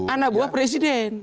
anak buah presiden